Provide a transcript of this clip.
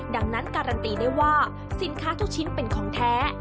ดังนั้นการันตีได้ว่าสินค้าทุกชิ้นเป็นของแท้